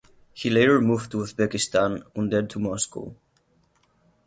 He later moved to Uzbekistan and then to Moscow.